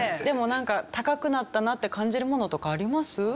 でもなんか高くなったなって感じるものとかあります？